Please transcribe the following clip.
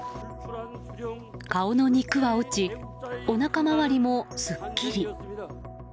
顔の肉は落ちおなか周りもすっきり。